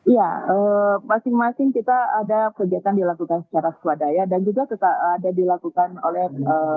ya masing masing kita ada kegiatan dilakukan secara swadaya dan juga tetap ada dilakukan oleh